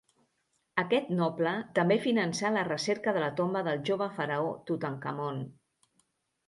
Aquest noble també finançà la recerca de la tomba del jove faraó Tutankamon.